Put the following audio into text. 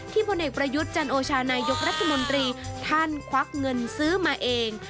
พลเอกประยุทธ์จันโอชานายกรัฐมนตรีท่านควักเงินซื้อมาเอง